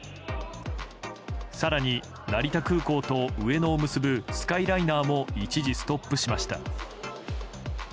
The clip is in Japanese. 更に、成田空港と上野を結ぶスカイライナーも一時ストップしました。